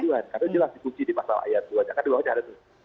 karena itu jelas dikunci di pasal ayat dua